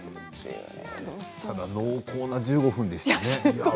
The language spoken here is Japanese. ただ濃厚な１５分でしたね。